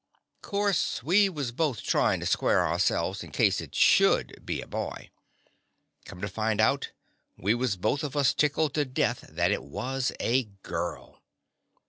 Course we was both tryin' to square ourselves in case it should be a boy. Come to find out, we was both of us tickled to death that it was a girl.